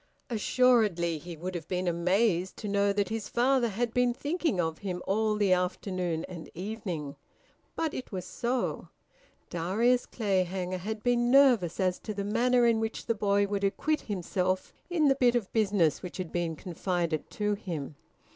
Assuredly he would have been amazed to know that his father had been thinking of him all the afternoon and evening. But it was so. Darius Clayhanger had been nervous as to the manner in which the boy would acquit himself in the bit of business which had been confided to him.